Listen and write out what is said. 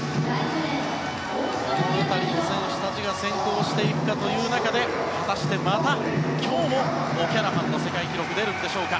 この辺りの選手たちが先行していくかという中で果たして、今日もまたオキャラハンの世界記録が出るのでしょうか。